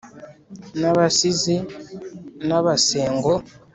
n’abasizi n’abasengo